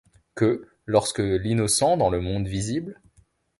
Que, lorsque l’innocent-dans le monde visible